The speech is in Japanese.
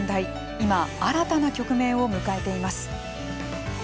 今、新たな局面を迎えています。